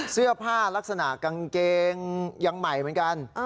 เสื้อผ้าลักษณะกางเกงยังใหม่เหมือนกัน